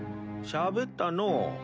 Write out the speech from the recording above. しゃべったのう。